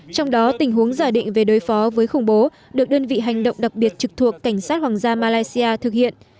trong đó tình huống giả định về đối phó với khủng bố được đơn vị hành động đặc biệt trực thuộc cảnh sát hoàng gia malaysia thực hiện